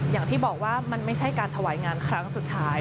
อย่างที่บอกว่ามันไม่ใช่การถวายงานครั้งสุดท้าย